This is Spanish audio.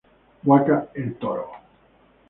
Huaca "El Toro".